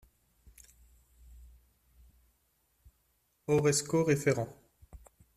Horresco referens